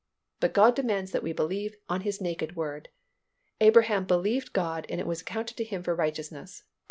But God demands that we believe on His naked Word. "Abraham believed God and it was accounted to him for righteousness" (Gal.